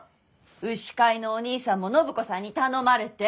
牛飼いのお兄さんも暢子さんに頼まれて？